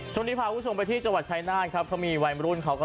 สวัสดีพารุทธงไปที่จังหวัดชัยน่ารก็มีวัยมารุ่นเขาก็